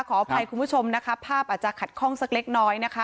ขออภัยคุณผู้ชมนะคะภาพอาจจะขัดข้องสักเล็กน้อยนะคะ